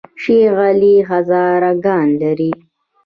شیخ علي هزاره ګان لري؟